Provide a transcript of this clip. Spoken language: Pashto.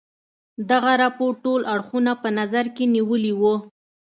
دغه رپوټ ټول اړخونه په نظر کې نیولي وه.